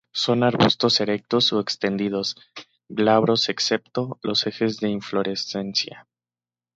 Son arbustos erectos o extendidos, glabros excepto los ejes de la inflorescencia.